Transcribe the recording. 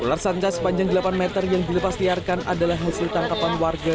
ular sanca sepanjang delapan meter yang dilepas liarkan adalah hasil tangkapan warga